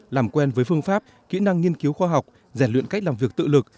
làm quen với phương pháp kỹ năng nghiên cứu khoa học rèn luyện cách làm việc tự lực